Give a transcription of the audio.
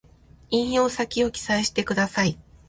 引用先を記載してください